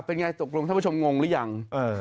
เป็นไงตกลงท่านผู้ชมงงหรือยัง